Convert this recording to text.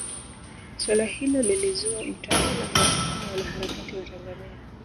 Swala hilo lilizua utata na kuwasukuma wanaharakati wa Tanzania